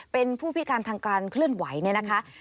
เป็นผู้พิการทางการเคลื่อนไหวเนี่ยนะคะ